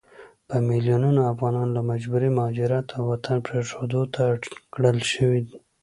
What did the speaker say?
په ميلونونو افغانان له مجبوري مهاجرت او وطن پريښودو ته اړ کړل شوي